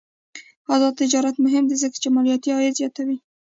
آزاد تجارت مهم دی ځکه چې مالیاتي عاید زیاتوي.